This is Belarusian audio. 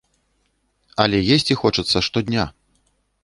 Але есці хочацца штодня.